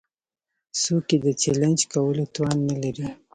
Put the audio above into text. څوک يې د چلېنج کولو توان نه لري.